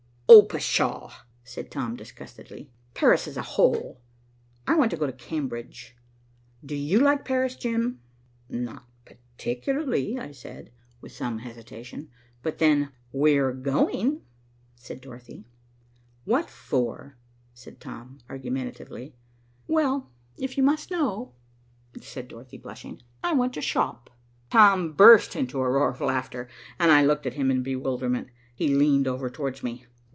"Oh, pshaw!" said Tom disgustedly. "Paris is a hole. I want to go to Cambridge. Do you like Paris, Jim?" "Not particularly," I said, with some hesitation, "but then " "We're going," said Dorothy. "What for?" said Tom argumentatively. "Well, if you must know," said Dorothy blushing, "I want to shop." Tom burst into a roar of laughter, and I looked at him in bewilderment. He leaned over towards me.